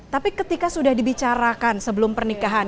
tapi ketika sudah dibicarakan sebelum pernikahan